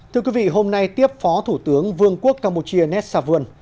thưa quý vị hôm nay tiếp phó thủ tướng vương quốc campuchia nessavuon